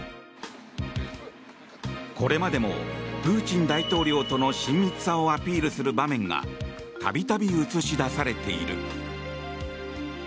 これまでもプーチン大統領との親密さをアピールする場面が度々、映し出されている。